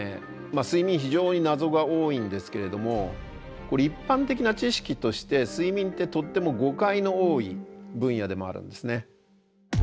睡眠非常に謎が多いんですけれども一般的な知識として睡眠ってとっても誤解の多い分野でもあるんですね。